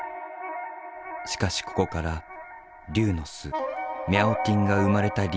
しかしここから龍の巣ミャオティンが生まれた理由が見えてくるという。